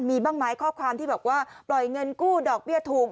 มีบ้างไหมข้อความที่บอกว่าปล่อยเงินกู้ดอกเบี้ยถูก